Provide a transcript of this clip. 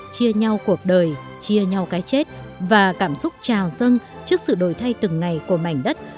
chia nhau cuộc đời chia nhau cái chết và cảm xúc trào dâng trước sự đổi thay từng ngày của mảnh đất